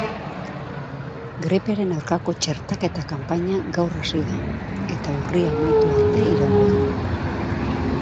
Gripearen aurkako txertaketa kanpaina gaur hasi da eta urria amaitu arte iraungo du.